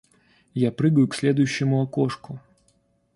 Я прыгаю к следующему окошку.